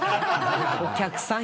お客さん